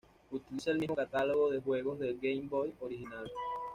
Utiliza el mismo catálogo de juegos de la Game Boy original.